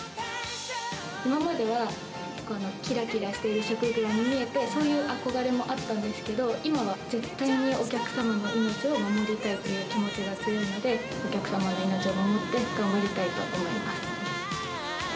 今まではきらきらしている職業に見えて、そういう憧れもあったんですけど、今は絶対にお客様の命を守りたいという気持ちのほうが強いので、快適で安全な旅を。